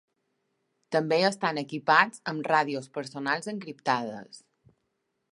També estan equipats amb ràdios personals encriptades.